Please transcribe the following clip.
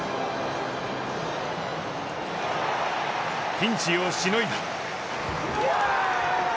ピンチをしのいだ。